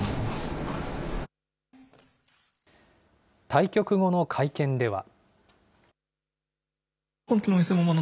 対局後の会見では。